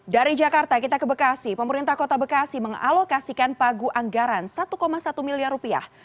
dari jakarta kita ke bekasi pemerintah kota bekasi mengalokasikan pagu anggaran satu satu miliar rupiah